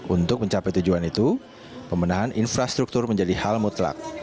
untuk mencapai tujuan itu pemenahan infrastruktur menjadi hal mutlak